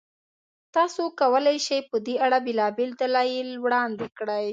تاسو کولای شئ، په دې اړه بېلابېل دلایل وړاندې کړئ.